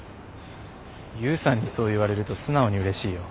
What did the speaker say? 悠さんにそう言われると素直にうれしいよ。